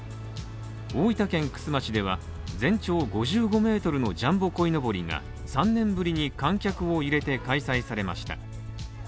大分県玖珠町では、全長５５ｍのジャンボこいのぼりが３年ぶりに観客を入れて開催されました。